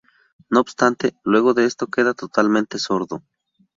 No obstante, luego de esto queda totalmente sordo.